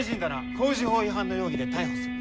航時法違反の容疑で逮捕する！